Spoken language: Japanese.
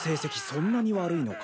そんなに悪いのか。